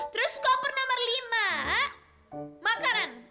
terus koper nomor lima makanan